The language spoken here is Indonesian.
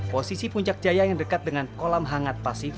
posisi puncak jaya yang dekat dengan kolam hangat pasifik